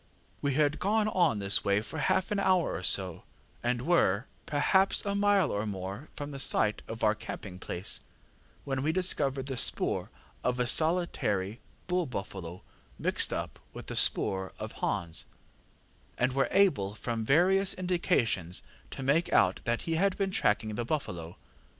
We had gone on in this way for half an hour or so, and were, perhaps, a mile or more from the site of our camping place, when we discovered the spoor of a solitary bull buffalo mixed up with the spoor of Hans, and were able, from various indications, to make out that he had been tracking the buffalo.